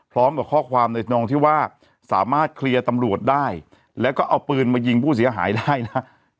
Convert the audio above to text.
พร้อมกับข้อความในนองที่ว่าสามารถเคลียร์ตำรวจได้แล้วก็เอาปืนมายิงผู้เสียหายได้นะ